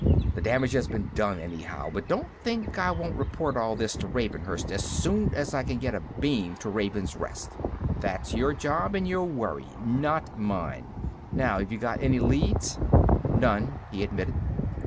The damage has been done, anyhow. But don't think I won't report all this to Ravenhurst as soon as I can get a beam to Raven's Rest." "That's your job and your worry, not mine. Now, have you got any leads?" "None," he admitted.